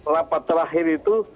rapat terakhir itu